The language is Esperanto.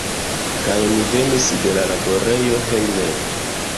Kaj mi venis de la laborejo hejmen.